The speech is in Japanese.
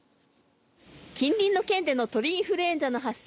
近隣の県での鳥インフルエンザの発生。